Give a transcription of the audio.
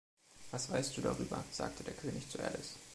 „Was weißt du darüber?“, sagte der König zu Alice.